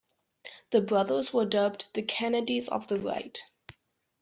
The brothers were dubbed "the Kennedys of the Right".